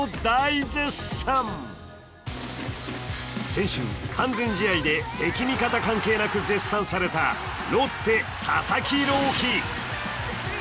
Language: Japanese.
先週、完全試合で敵味方関係なく絶賛されたロッテ・佐々木朗希。